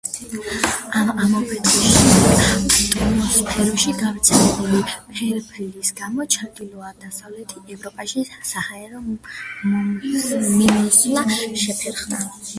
ამ ამოფრქვევის შემდეგ ატმოსფეროში გავრცელებული ფერფლის გამო ჩრდილო-დასავლეთ ევროპაში საჰაერო მიმოსვლა შეფერხდა.